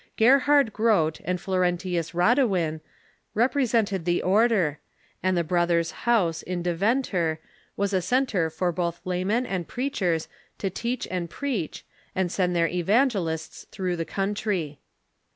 Gerhard Groot and Florentius Radewin represented the order, and the Brothers' House, in Deventer, was a centre for both laymen and preachers to teach and preach, and send their evangelists through the country.